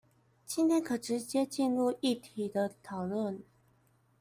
今天可直接進入議題的討論